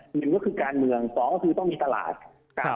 หนึ่งก็คือการเมืองสองก็คือต้องมีตลาดครับ